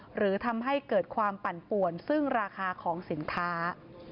หรือทำให้เกิดความปั่นป่วนซึ่งราคาของสินค้า